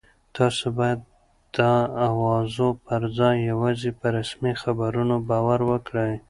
تاسو باید د اوازو پر ځای یوازې په رسمي خبرونو باور وکړئ.